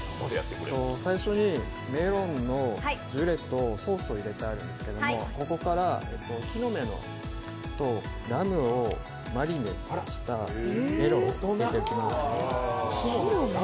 最初にメロンのジュレとソースを入れてあるんですけどここから木の芽とラムをマリネしたものを入れていきます。